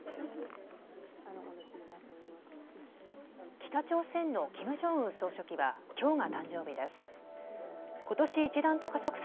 北朝鮮のキム・ジョンウン総書記は、きょうが誕生日です。